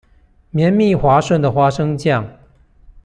綿密滑順的花生醬